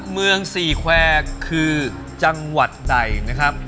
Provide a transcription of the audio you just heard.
เมืองสี่แควร์คือจังหวัดใดนะครับ